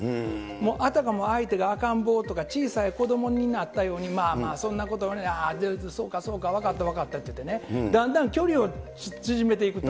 あたかも相手が赤ん坊とか小さい子どもになったように、まあまあ、そんなこと、そうかそうか、分かった分かったって言ってね、だんだん距離を縮めていくと。